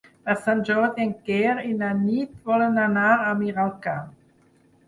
Per Sant Jordi en Quer i na Nit volen anar a Miralcamp.